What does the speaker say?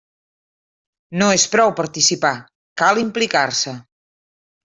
No és prou participar, cal implicar-se.